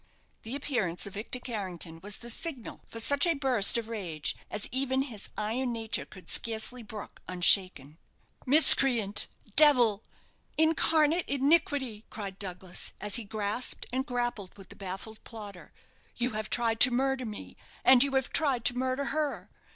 The appearance of Victor Carrington was the signal for such a burst of rage as even his iron nature could scarcely brook unshaken. "Miscreant! devil! incarnate iniquity!" cried Douglas, as he grasped and grappled with the baffled plotter. "You have tried to murder me and you have tried to murder her!